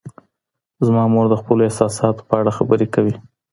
زما مور د خپلو احساساتو په اړه خبرې کوي.